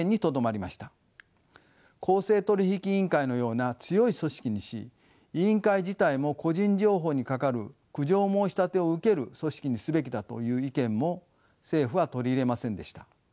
公正取引委員会のような強い組織にし委員会自体も個人情報にかかる苦情申し立てを受ける組織にすべきだという意見も政府は取り入れませんでした。